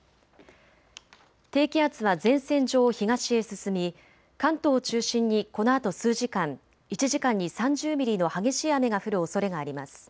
低気圧は前線上を東へ進み関東を中心にこのあと数時間１時間に３０ミリの激しい雨が降るおそれがあります。